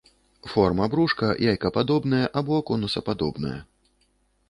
Форма брушка яйкападобная або конусападобная.